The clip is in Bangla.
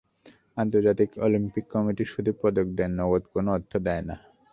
আন্তর্জাতিক অলিম্পিক কমিটি শুধু পদক দেয়, নগদ কোনো অর্থ দেয় না।